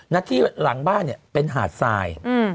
ที่หลังบ้านเนี่ยเป็นหาดทราย